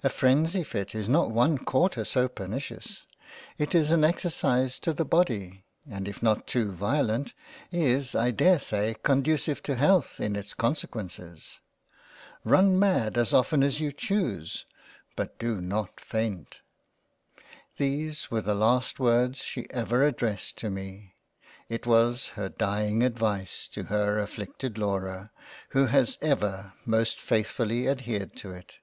... A frenzy fit is not one quarter so pernicious ; it is an exercise to the Body and if not too violent, is I dare say conducive to Health in its consequences Run mad as often as you chuse ; but do not faint —" These were the last words she ever addressed to me. . It was her dieing Advice to her afflicted Laura, who has ever most faithfully adhered to it.